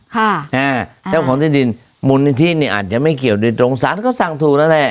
เจ้าของที่ดินมูลนิธินี่อาจจะไม่เกี่ยวโดยตรงสารก็สั่งถูกแล้วแหละ